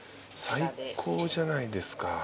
最高じゃないですか。